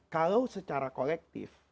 kalau secara kolektif